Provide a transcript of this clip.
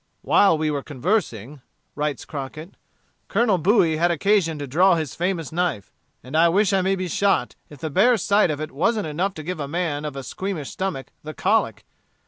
"While we were conversing," writes Crockett, "Colonel Bowie had occasion to draw his famous knife, and I wish I may be shot if the bare sight of it wasn't enough to give a man of a squeamish stomach the colic.